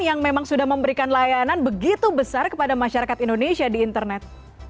yang memang sudah memberikan layanan begitu besar kepada masyarakat indonesia di internet